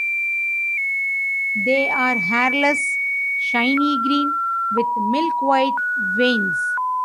They are hairless, shiny green, with milk-white veins.